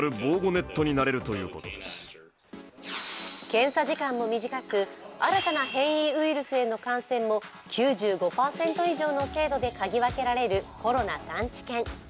検査時間も短く新たな変異ウイルスへの感染も９５％以上の精度で嗅ぎ分けられるコロナ探知犬。